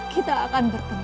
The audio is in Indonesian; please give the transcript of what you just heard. kita akan bertemu lagi